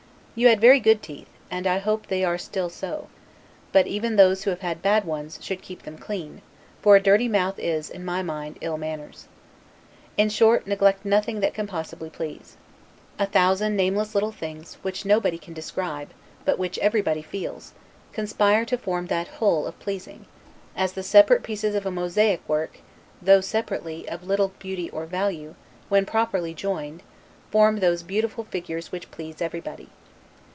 You had very good teeth, and I hope they are so still; but even those who have bad ones, should keep them clean; for a dirty mouth is, in my mind, ill manners. In short, neglect nothing that can possibly please. A thousand nameless little things, which nobody can describe, but which everybody feels, conspire to form that WHOLE of pleasing; as the several pieces of a Mosaic work though, separately, of little beauty or value, when properly joined, form those beautiful figures which please everybody.